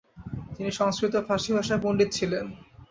তিনি সংস্কৃত ও ফারসি ভাষায় পণ্ডিত ছিলেন।